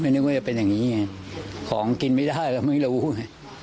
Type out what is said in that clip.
นึกว่าจะเป็นอย่างนี้ไงของกินไม่ได้เราไม่รู้ไง